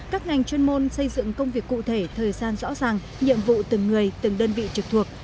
các ngành chuyên môn xây dựng công việc cụ thể thời gian rõ ràng nhiệm vụ từng người từng đơn vị trực thuộc